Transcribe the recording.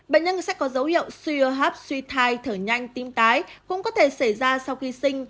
bệnh nhân sẽ có dấu hiệu suy hô hấp suy thai thở nhanh tím tái cũng có thể xảy ra sau khi sinh